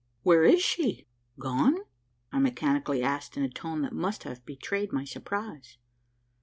"Where is she? gone?" I mechanically asked, in a tone that must have betrayed my surprise.